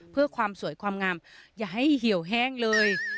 เพื่อความสวยความงามอย่าให้เหี่ยวแห้งเลย